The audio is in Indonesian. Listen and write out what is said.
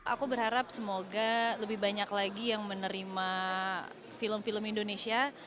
aku berharap semoga lebih banyak lagi yang menerima film film indonesia